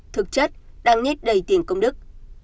thực chất đang nhét đầy tiền công đức